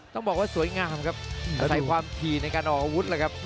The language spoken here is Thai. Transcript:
ต้องบอกว่าสวยงามครับอาศัยความถี่ในการออกอาวุธเลยครับ